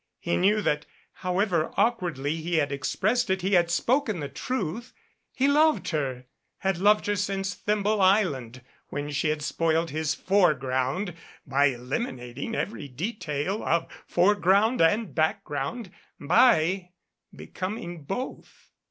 He knew that, however awkwardly he had expressed it, he had spoken the truth. He loved her, had loved her since Thimble Island, when she had spoiled his foreground by eliminating every detail of foreground and background by becoming both.